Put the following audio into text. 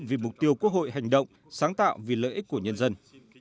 vì mục tiêu quốc hội hành động sáng tạo vì lợi ích của nhân dân